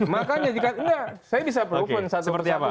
makanya jika enggak saya bisa prove in